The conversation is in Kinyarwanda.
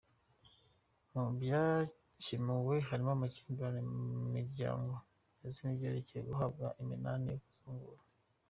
Mu byakemuwe harimo amakimbirane mu miryango ndetse n’ibyerekeye guhabwa iminani no kuzungura.